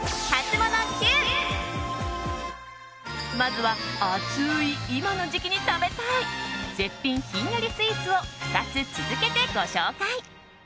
まずは、暑い今の時期に食べたい絶品ひんやりスイーツを２つ続けてご紹介。